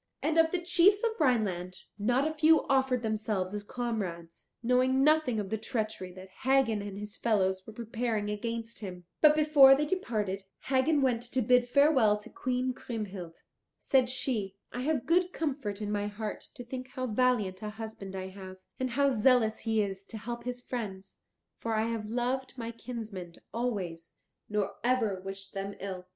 And of the chiefs of Rhineland not a few offered themselves as comrades, knowing nothing of the treachery that Hagen and his fellows were preparing against him. But before they departed Hagen went to bid farewell to Queen Kriemhild. Said she, "I have good comfort in my heart to think how valiant a husband I have, and how zealous he is to help his friends, for I have loved my kinsmen always, nor ever wished them ill."